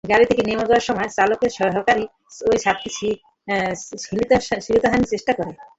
গাড়ি থেকে নেমে যাওয়ার সময় চালকের সহকারী ওই ছাত্রীর শ্লীলতাহানির চেষ্টা করেন।